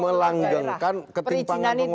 melanggengkan ketimpangan penguasaan tanah